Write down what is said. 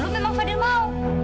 dulu memang fadil mau